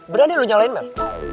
berani lo nyalain mel